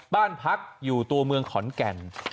บ้านพักอยู่ตัวเมืองขอนแก่น